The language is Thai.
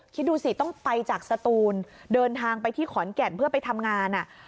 คิดดูสิต้องไปจากสตูนเดินทางไปที่ขอนแก่นเพื่อไปทำงาน